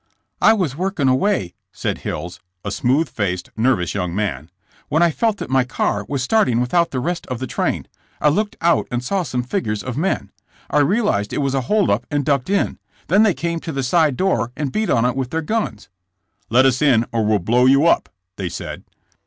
"I was working away," said Hills, a smooth faced, nervous young man, "when I felt that my car was starting without the rest of the train. I looked out and saw some figures of men. I realized it was a hold up and ducked in. Then they came to the side door and beat on it with their guns. " 'Let us in or we'll blow you up!' they said."